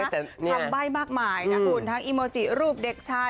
ทำใบ้มากมายนะคุณทั้งอีโมจิรูปเด็กชาย